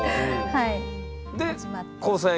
はい。